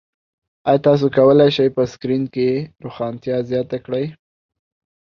ایا تاسو کولی شئ په سکرین کې روښانتیا زیاته کړئ؟